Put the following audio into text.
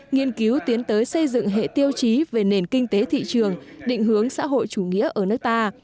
nghiên cứu tiến tới xây dựng hệ tiêu chí về nền kinh tế thị trường định hướng xã hội chủ nghĩa ở nước ta